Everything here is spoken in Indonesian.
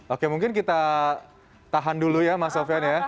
oke mungkin kita tahan dulu ya mas sofian ya